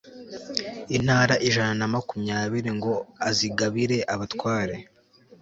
intara ijana na makumyabiri ngo azigabire abatware